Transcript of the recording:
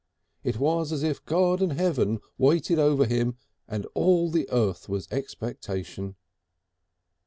It was as if God and Heaven waited over him and all the earth was expectation.